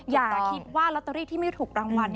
อย่าคิดว่าลอตเตอรี่ที่ไม่ถูกรางวัล